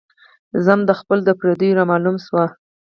ذم د خپلو د پرديو را معلوم شو